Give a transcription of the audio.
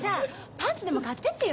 パンツでも買ってってよ。